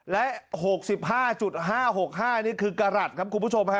และ๖๕๕๖๕นี่คือกรัฐครับคุณผู้ชมฮะ